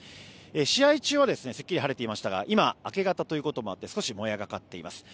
試合中はすっきり晴れていましたが今、明け方ということもあって少しもやがかかっています。